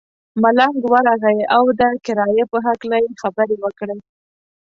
ملنګ ورغئ او د کرایې په هکله یې خبرې وکړې.